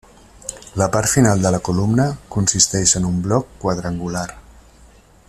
La part final de la columna consisteix en un bloc quadrangular.